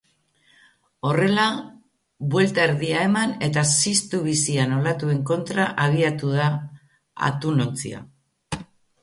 Horrela, buelta erdia eman eta ziztu bizian olatuen kontra abiatu da atunontzia.